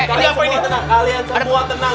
kalian semua tenang kalian semua tenang